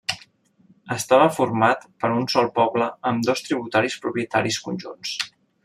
Estava format per un sol poble amb dos tributaris propietaris conjunts.